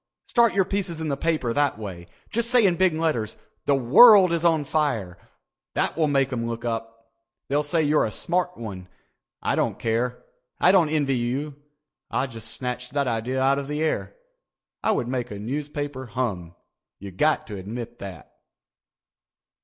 Start your pieces in the paper that way. Just say in big letters 'The World Is On Fire.' That will make 'em look up. They'll say you're a smart one. I don't care. I don't envy you. I just snatched that idea out of the air. I would make a newspaper hum. You got to admit that."